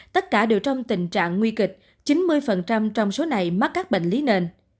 tất cả đều trong tình trạng nguy kịch chín mươi trong số này mắc các bệnh lý nền